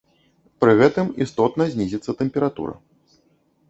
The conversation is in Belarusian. Пры гэтым істотна знізіцца тэмпература.